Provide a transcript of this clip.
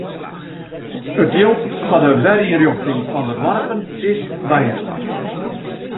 It jild foar de werynrjochting fan de doarpen is byinoar.